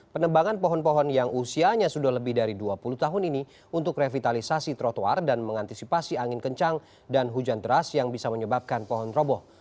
penebangan pohon pohon yang usianya sudah lebih dari dua puluh tahun ini untuk revitalisasi trotoar dan mengantisipasi angin kencang dan hujan deras yang bisa menyebabkan pohon roboh